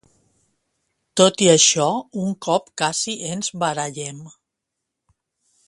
Tot i això, un cop casi ens barallem.